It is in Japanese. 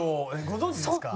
ご存じですか？